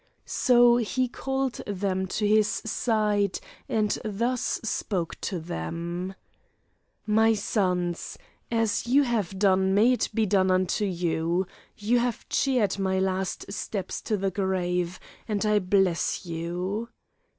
So he called them to his side and thus spoke to them: "'My sons, as you have done may it be done unto you. You have cheered my last steps to the grave, and I bless you.'